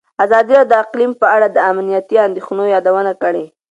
ازادي راډیو د اقلیم په اړه د امنیتي اندېښنو یادونه کړې.